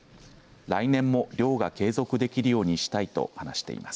来年も漁が継続できるようにしたいと話しています。